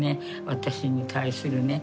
私に対するね。